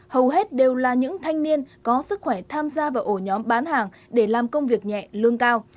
hầu hết đều là những thanh niên có sức khỏe tham gia vào ổ nhóm bán hàng để làm công việc nhẹ lương cao